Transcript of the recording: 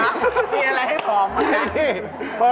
อะไรคะมีอะไรให้ผอมไหม